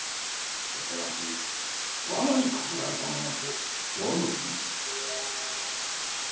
恐らく罠にかけられたものと。